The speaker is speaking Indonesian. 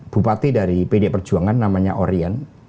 bupati dari pd perjuangan namanya orien